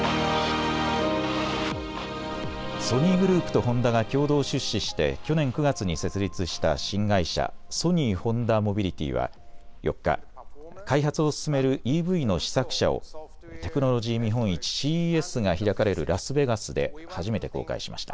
ソニーグループとホンダが共同出資して去年９月に設立した新会社、ソニー・ホンダモビリティは４日、開発を進めるＥＶの試作車をテクノロジー見本市、ＣＥＳが開かれるラスベガスで初めて公開しました。